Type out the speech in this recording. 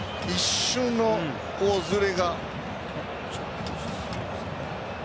一瞬のずれが。